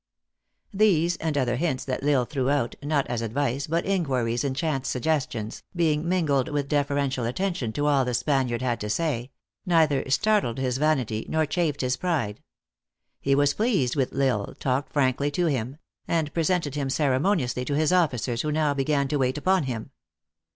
These, and other hints, that L Isle threw out not as advice, but inquiries and chance suggestions, being mingled with deferential attention to all the Spaniard had to say neither startled his vanity, nor chafed his THE ACTRESS IN HIGH LIFE. 349 pride. lie was pleased with L Isle, talked frankly to him, and presented him ceremoniously to his officers, who now began to wait upon him.